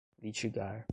litigar